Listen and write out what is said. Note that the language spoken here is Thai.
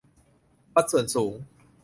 วัดส่วนสูง